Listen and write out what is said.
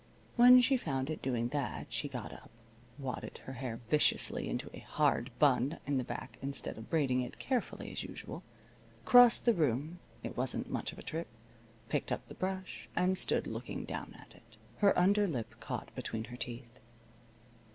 When she found it doing that she got up, wadded her hair viciously into a hard bun in the back instead of braiding it carefully as usual, crossed the room (it wasn't much of a trip), picked up the brush, and stood looking down at it, her under lip caught between her teeth.